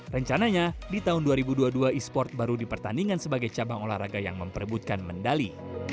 rencananya di tahun dua ribu dua puluh dua esport baru dipertandingan sebagai cabang olahraga yang memperebutkan mendali